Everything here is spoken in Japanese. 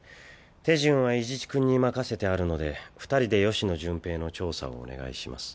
手順は伊地知君に任せてあるので二人で吉野順平の調査をお願いします。